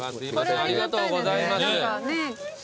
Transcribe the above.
ありがとうございます。